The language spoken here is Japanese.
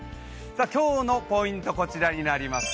今日のポイント、こちらになります。